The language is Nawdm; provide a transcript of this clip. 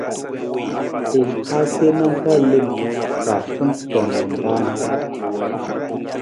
I ha gbena ka lem ka tantong na raan.